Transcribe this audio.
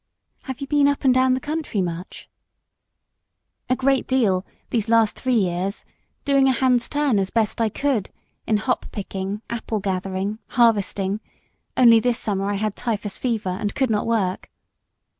"Have you been up and down the country much?" "A great deal these last three years; doing a hand's turn as best I could, in hop picking, apple gathering, harvesting; only this summer I had typhus fever, and could not work."